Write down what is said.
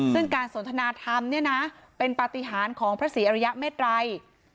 ซึ่งการสนทนาธรรมเนี่ยนะเป็นปฏิหารของพระศรีอริยเมตรัย